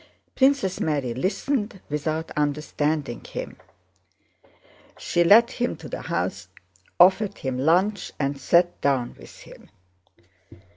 Princess Mary listened without understanding him; she led him to the house, offered him lunch, and sat down with him.